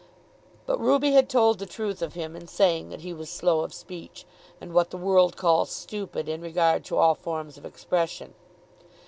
But Ruby had told the truth of him in saying that he was slow of speech, and what the world calls stupid in regard to all forms of expression.